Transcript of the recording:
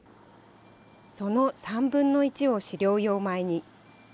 その３分の１を飼料用米に。